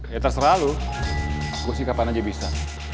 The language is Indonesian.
ya terserah lu gue sih kapan aja bisa